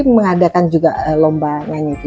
mengadakan juga lomba nyanyi itu